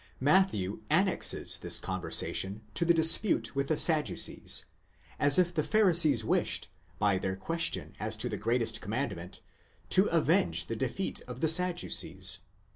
Matthew annexes this conversation to the dispute with the Sadducees, as if the Pharisees wished, by their question as to the greatest commandment, to avenge the defeat of the Sadducees.